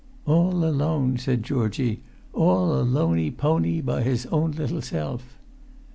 "All alone," said Georgie; "all alonypony by his own little self!"